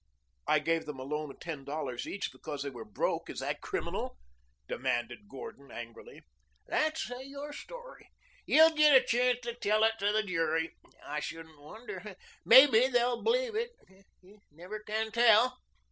"I gave them a loan of ten dollars each because they were broke. Is that criminal?" demanded Gordon angrily. "That's your story. You'll git a chance to tell it to the jury, I shouldn't wonder. Mebbe they'll believe it. You never can tell."